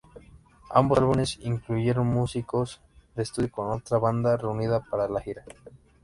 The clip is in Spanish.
Ambos álbumes incluyeron músicos de estudio con otra banda reunida para la gira.